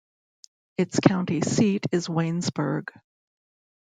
Its county seat is Waynesburg.